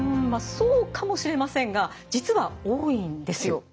そうかもしれませんが実は多いんですよ。